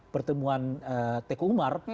pertemuan tk umar